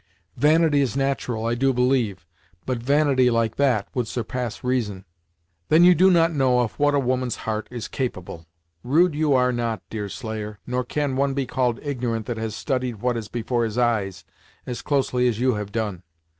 Vanity is nat'ral, I do believe, but vanity like that, would surpass reason." "Then you do not know of what a woman's heart is capable! Rude you are not, Deerslayer, nor can one be called ignorant that has studied what is before his eyes as closely as you have done.